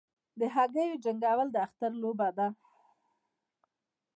د هګیو جنګول د اختر لوبه ده.